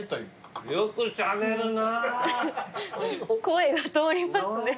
声が通りますね。